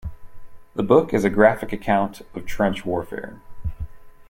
The book is a graphic account of trench warfare.